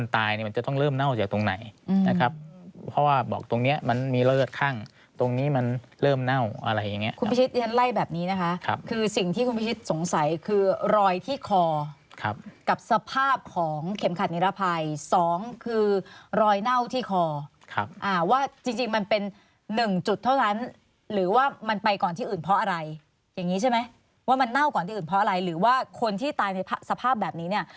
ต้องเริ่มเน่าจากตรงไหนนะครับเพราะว่าบอกตรงเนี้ยมันมีเลือดข้างตรงนี้มันเริ่มเน่าอะไรอย่างเงี้ยคุณพิชิตฉันไล่แบบนี้นะคะคือสิ่งที่คุณพิชิตสงสัยคือรอยที่คอครับกับสภาพของเข็มขัดนิรภัยสองคือรอยเน่าที่คอครับอ่าว่าจริงจริงมันเป็นหนึ่งจุดเท่านั้นหรือว่ามันไปก่อนที่อื่นเพ